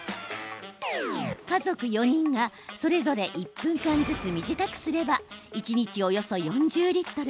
家族４人がそれぞれ１分間ずつ短くすれば一日およそ４０リットル。